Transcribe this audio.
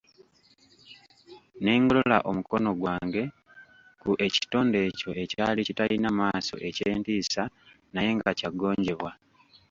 Ne ngolola omukono gwange ku ekitonde ekyo ekyali kitalina maaso eky'entiisa naye nga kyaggonjebwa.